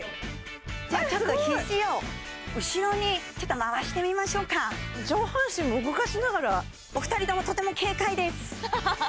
じゃちょっと肘を後ろにちょっと回してみましょうか上半身も動かしながらお二人ともとても軽快ですハハハハ！